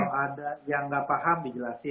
kalau ada yang nggak paham dijelasin